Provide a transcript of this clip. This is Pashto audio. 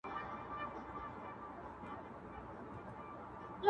يوه مور خرڅوله، بل په پور غوښتله.